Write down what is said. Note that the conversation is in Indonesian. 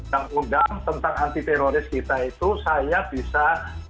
yang undang tentang anti teroris kita itu saya bisa